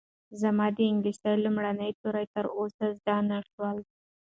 زما د انګلیسي لومړي توري لا تر اوسه زده نه شول.